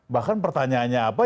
bahkan pertanyaannya apa